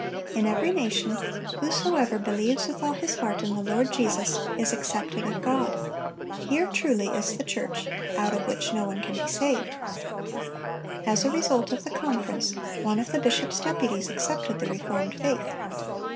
In every nation whosoever believes with all his heart in the Lord Jesus is accepted of God. Here, truly, is the church, out of which no one can be saved."(257) As a result of the conference, one of the bishop's deputies accepted the reformed faith.